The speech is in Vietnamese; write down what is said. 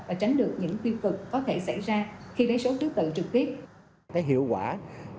và tránh được những phiêu cực có thể xảy ra khi lấy số thứ tự trực tiếp